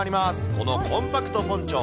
このコンパクトポンチョ。